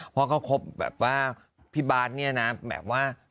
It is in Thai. เพราะเขาคบแบบว่าพี่บาทเนี่ยนะแบบว่า